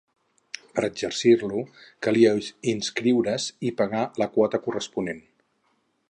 Per a exercir-lo, calia inscriure’s i pagar la quota corresponent.